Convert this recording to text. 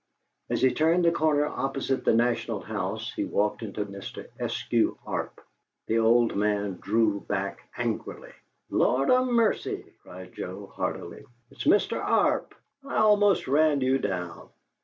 As he turned the corner opposite the "National House," he walked into Mr. Eskew Arp. The old man drew back angrily. "Lord 'a' mercy!" cried Joe, heartily. "It's Mr. Arp! I almost ran you down!"